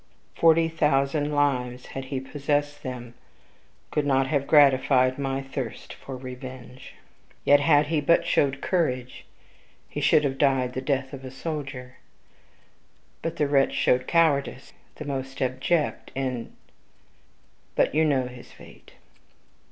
Forty thousand lives, had he possessed them, could not have gratified my thirst for revenge. Yet, had he but showed courage, he should have died the death of a soldier. But the wretch showed cowardice the most abject, and ,but you know his fate.